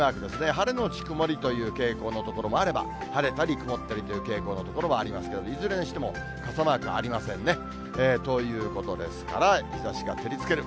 晴れ後曇りという傾向の所もあれば、晴れたり曇ったりという傾向の所もありますけれども、いずれにしても傘マークはありませんね。ということですから、日ざしが照りつける。